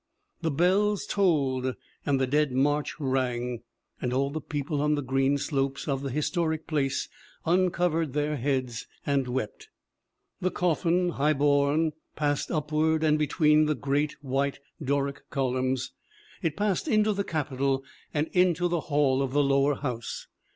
The bells tolled and the Dead March rang, and all the people on the green slopes of the his toric place uncovered their heads and wept. The cof fin, high borne, passed upward and between the great, white, Doric columns. It passed into the Capitol and into the Hall of the Lower House.